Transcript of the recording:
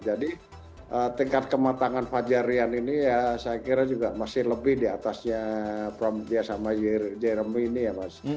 jadi tingkat kematangan fajarian ini ya saya kira juga masih lebih di atasnya prom dia sama jeremy ini ya mas